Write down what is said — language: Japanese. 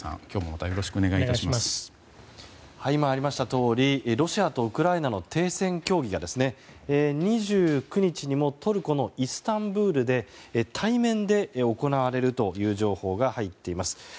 今ありましたとおりロシアとウクライナの停戦協議が２９日にもトルコのイスタンブールで対面で行われるという情報が入っています。